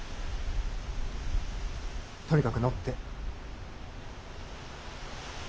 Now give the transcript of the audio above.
とにかく乗って。